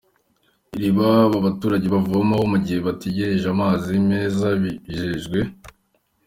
Iriba aba baturage bavomaho mu gihe bagitegereje amazi meza bijejwe.